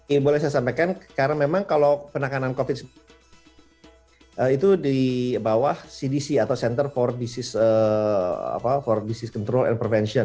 ini boleh saya sampaikan karena memang kalau penanganan covid sembilan belas itu di bawah cdc atau center for disease control and prevention